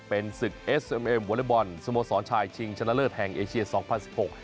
เป็นศึกเอสเอ็มเอ็มวอเล็กบอลสโมสรชายชิงชนะเลิศแห่งเอเชียสองพันสิบหก